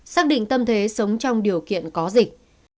xác định tâm thế sống trong điều kiện có dịch